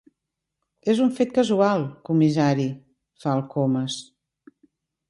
És un fet casual, comissari —fa el Comas—.